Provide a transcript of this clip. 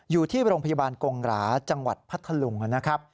อยู่ที่โรงพยาบาลกงหราจังหวัดพัทธลุงนะครับ